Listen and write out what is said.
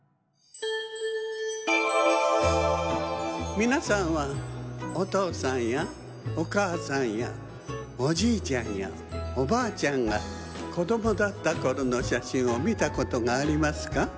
みなさんはおとうさんやおかあさんやおじいちゃんやおばあちゃんがこどもだったころのしゃしんをみたことがありますか？